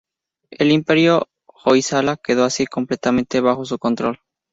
El imperio Hoysala quedó así completamente bajo su control.